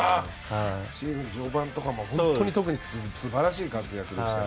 シーズン序盤とかも素晴らしい活躍でした。